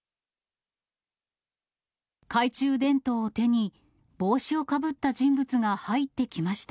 懐中電灯を手に、帽子をかぶった人物が入ってきました。